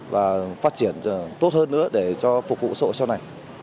và phát triển tốt hơn nữa để cho phục vụ xã hội sau này